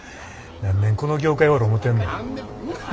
何年この業界おる思てんねん。